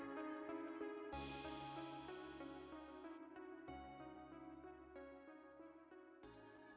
โปรดติดตามตอนต่อไป